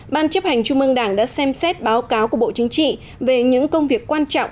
ban chấp hành trung mương đảng đã xem xét báo cáo của bộ chính trị về những công việc quan trọng